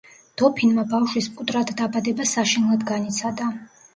დოფინმა ბავშვის მკვდრად დაბადება საშინლად განიცადა.